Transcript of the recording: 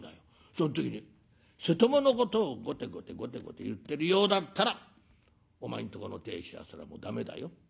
その時に瀬戸物のことをごてごてごてごて言ってるようだったらお前んとこの亭主はそれはもう駄目だよ。